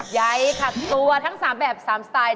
ใยผักตัวทั้ง๓แบบ๓สไตล์